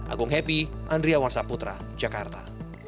agung happy andrea warsaputra jakarta